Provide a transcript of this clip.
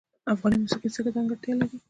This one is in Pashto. افغاني موسیقی څه ځانګړتیا لري؟